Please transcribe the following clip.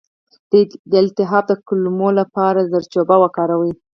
د التهاب د کمولو لپاره زردچوبه وکاروئ